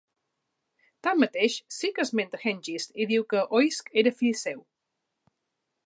Tanmateix, sí que esmenta Hengist i diu que Oisc era fill seu.